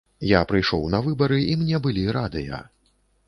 Я прыйшоў на выбары, і мне былі радыя.